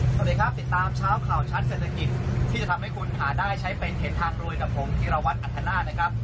สวัสดีครับติดตามเช้าข่าวชัดเศรษฐกิจที่จะทำให้คุณหาได้ใช้เป็นเห็นทางรวยกับผมธีรวัตรอัธนาศนะครับ